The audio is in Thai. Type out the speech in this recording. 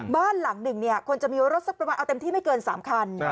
บ้านหลังหนึ่งควรจะมีรถสักประมาณเอาเต็มที่ไม่เกิน๓คัน